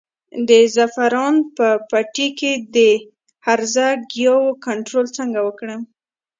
د زعفرانو په پټي کې د هرزه ګیاوو کنټرول څنګه وکړم؟